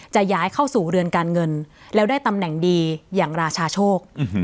จะย้ายเข้าสู่เรือนการเงินแล้วได้ตำแหน่งดีอย่างราชาโชค